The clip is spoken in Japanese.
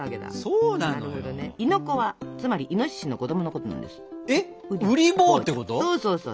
そうそうそうそう。